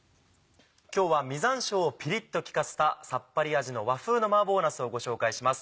今日は実山椒をピリっと利かせたさっぱり味の和風の麻婆なすをご紹介します。